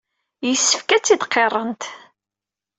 Yessefk ad t-id-qirrent.